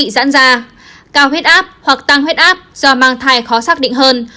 sa cao huyết áp hoặc tăng huyết áp do mang thai khó xác định hơn